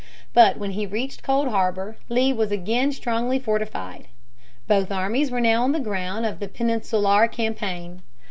But when he reached Cold Harbor, Lee was again strongly fortified. Both armies were now on the ground of the Peninsular Campaign.